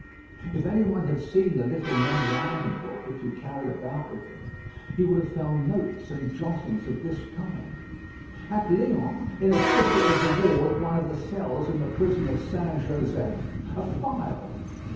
If any one had seen the little memorandum book which he carried about with him, he would have found notes and jottings of this kind: "At Lyons in a fissure of the wall of one of the cells in the prison of St. Joseph, a file."